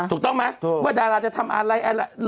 ถูกต้องไหมว่าดาราจะทำอะไร